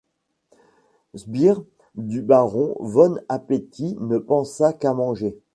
Sbire du Baron Von Appetit ne pensant qu'à manger.